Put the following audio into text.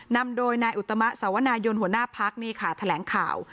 นำโดยนายอุตมะสวนายนหัวหน้าพักนี่ค่ะแถลงข่าว